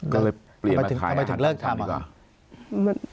ก็เลยเปลี่ยนมาขายอาหารตามสั่งดีกว่าทำไมถึงเลิกทำอ่ะ